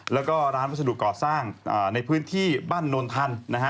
และร้านวัสดุก่อสร้างในพื้นที่บ้านนวลธันทร์